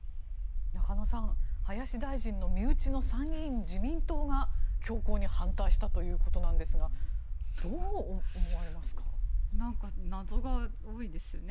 中野さん林大臣の身内の参議院自民党が強硬に反対したということなんですがなんか謎が多いですよね。